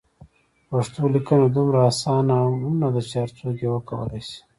پښتو لیکنه دومره اسانه هم نده چې هر څوک یې وکولای شي.